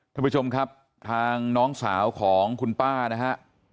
ท่านผู้ชมครับทางน้องสาวของคุณป้านะฮะ